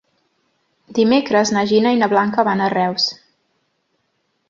Dimecres na Gina i na Blanca van a Reus.